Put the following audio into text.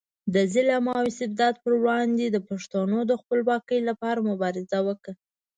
د ظلم او استبداد پر وړاندې د پښتنو د خپلواکۍ لپاره مبارزه وکړه.